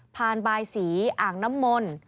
บายสีอ่างน้ำมนต์